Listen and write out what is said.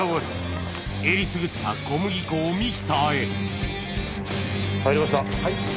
えりすぐった小麦粉をミキサーへ入りました。